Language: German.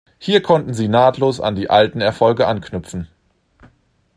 Hier konnten sie nahtlos an die alten Erfolge anknüpfen.